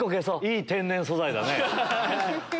いい天然素材だね。